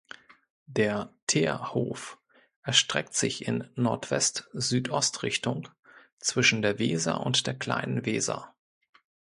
Der "Teerhof" erstreckt sich in Nordwest-Südost-Richtung zwischen der Weser und der Kleinen Weser.